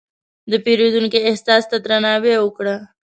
د پیرودونکي احساس ته درناوی وکړه.